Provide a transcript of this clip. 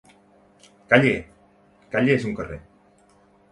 —Calle! —Calle és un carrer.